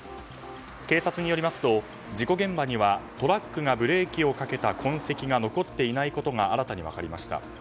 警察によりますと事故現場にはトラックがブレーキをかけた痕跡が残っていないことが新たに分かりました。